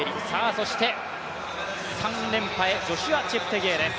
そして３連覇へ、ジョシュア・チェプテゲイです。